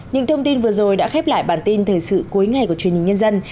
những thông tin vừa rồi đã khép lại bản tin thời sự cuối ngày của truyền hình nhân dân